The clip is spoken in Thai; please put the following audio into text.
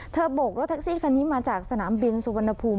โบกรถแท็กซี่คันนี้มาจากสนามบินสุวรรณภูมิ